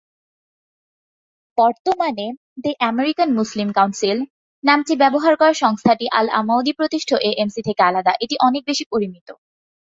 বর্তমানে "the American Muslim Council" নামটি ব্যবহার করা সংস্থাটি আল-আমাউদী প্রতিষ্ঠিত এএমসি থেকে আলাদা; এটি অনেক বেশি পরিমিত।